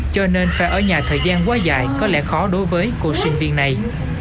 cho nên ra ở nhà thời gian quá dài có lẽ khó đối với cô sinh viên này